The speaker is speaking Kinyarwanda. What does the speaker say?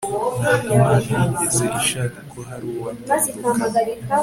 ntabwo imana yigeze ishaka ko hari uwatanduka